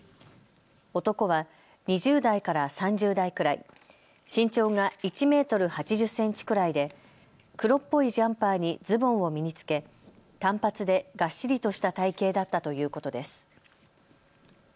男は２０代から３０代くらい、身長が１メートル８０センチくらいで黒っぽいジャンパーにズボンを身に着け、短髪でがっしりとした体型だったということです。